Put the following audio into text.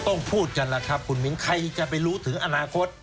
ก็ต้องพูดกันแหละครับคุณมิ้งใครจะไปรู้ถึงอนาคต